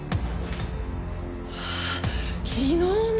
ああ昨日の！